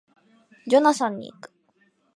ジョナサンに行く